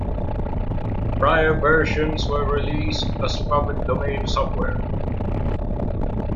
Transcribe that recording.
Prior versions were released as public domain software.